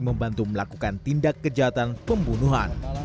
membantu melakukan tindak kejahatan pembunuhan